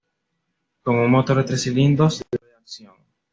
Con un motor de tres cilindros de doble acción.